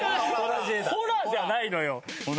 「ほら」じゃないのよ。